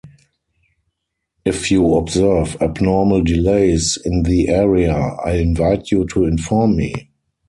If you observe abnormal delays in the area, I invite you to inform me.